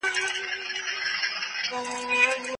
زمانه په خپله لاره بدلیږي.